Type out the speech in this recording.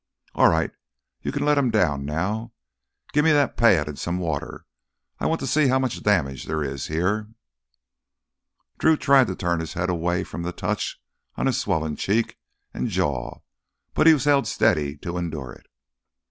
All right, you can let him down now. Give me that pad and some water; I want to see how much damage there is here." Drew tried to turn his head away from the touch on his swollen cheek and jaw, but he was held steady to endure it.